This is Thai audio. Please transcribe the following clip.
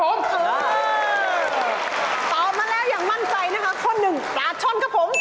ตอบมาแล้วอย่างมั่นใจนะคะข้อหนึ่งปลาช่อนครับผม